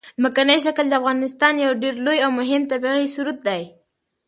ځمکنی شکل د افغانستان یو ډېر لوی او مهم طبعي ثروت دی.